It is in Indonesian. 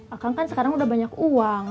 akang kan sekarang udah banyak uang